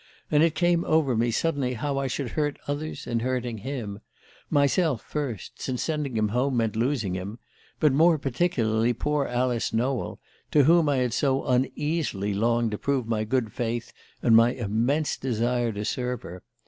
And it came over me suddenly how I should hurt others in hurting him: myself first, since sending him home meant losing him; but more particularly poor Alice Nowell, to whom I had so uneasily longed to prove my good faith and my immense desire to serve her.